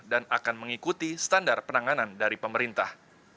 dan akan mengikuti standar penanganan dari pemerintah